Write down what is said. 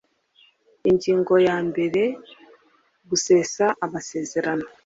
ingingo ya mbere gusesa amasezerano